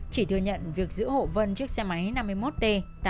chỉ thừa nhận việc giữ hộ vân chiếc xe máy năm mươi một t tám mươi nghìn sáu trăm hai mươi ba